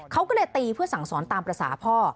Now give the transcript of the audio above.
เขาก็เลยตีเพื่อสั่งสอนตามภาษาพ่อ